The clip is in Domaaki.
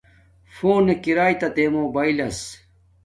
فونک ارݵتا تے موباݵلس